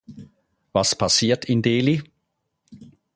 Was passiert in Delhi?